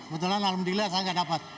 kebetulan alhamdulillah saya nggak dapat